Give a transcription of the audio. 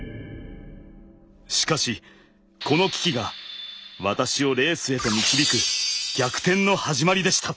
しかしこの危機が私をレースへと導く逆転の始まりでした。